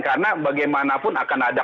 karena bagaimanapun akan ada